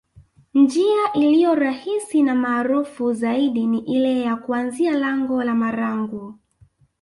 Njia iliyo rahisi na maarufu zaidi ni ile ya kuanzia lango la Marangu